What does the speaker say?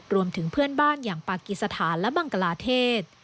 รวมถึงเพื่อนบ้านอย่างปากีสถานและบังกลาเทศ